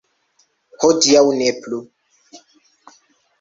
Hodiaŭ ne plu.